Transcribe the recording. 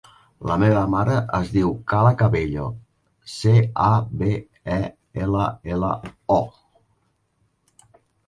La meva mare es diu Kala Cabello: ce, a, be, e, ela, ela, o.